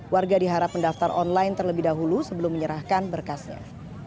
warga diharap mendaftar online terlebih dahulu sebelum menyerahkan berkasnya